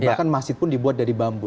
bahkan mas yudi pun dibuat dari bambu